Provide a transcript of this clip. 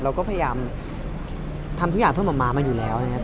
เราก็พยายามทำทุกอย่างเพิ่มออกมาม้ามาอยู่แล้วนะครับ